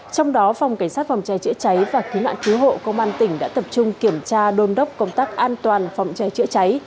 trong đó phòng cảnh sát phòng cháy chữa cháy và cứu nạn cứu hộ công an tỉnh đã tập trung kiểm tra đôn đốc công tác an toàn phòng cháy chữa cháy